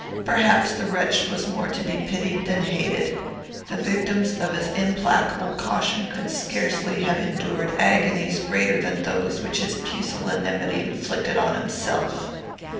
"Perhaps the wretch was more to be pitied than hated. The victims of his implacable caution could scarcely have endured agonies greater than those which his pusillanimity inflicted on himself.